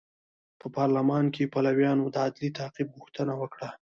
په پارلمان کې پلویانو د عدلي تعقیب غوښتنه وکړه.